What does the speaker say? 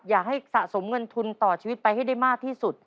อยากให้สะสมเงินทุนต่อชีวิตไปให้ได้มากที่สุด